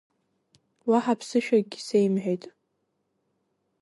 Уаҳа ԥсышәакгьы сеимҳәеит.